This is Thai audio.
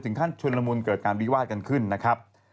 ท่านชุนละมุนเกิดการวิวาดกันขึ้นนะครับ